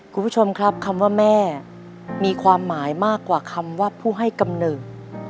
คุณผู้ชมครับคำว่าแม่มีความหมายมากกว่าคำว่าผู้ให้กำเนิด